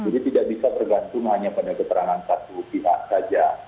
tidak bisa tergantung hanya pada keterangan satu pihak saja